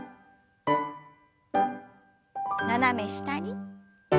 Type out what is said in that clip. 斜め下に。